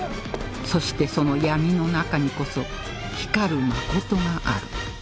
そしてその闇の中にこそ光る真がある